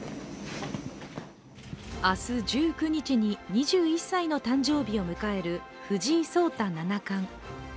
明日１９日に２１歳の誕生日を迎える藤井聡太七冠。